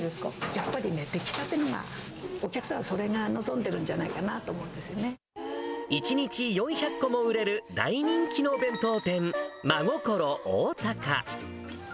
やっぱりね、出来立てのが、お客さんはそれが望んでるんじゃないかなと思うん１日４００個も売れる大人気のお弁当店、まごころ大高。